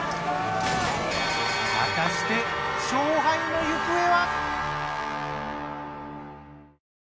果たして勝敗の行方は！？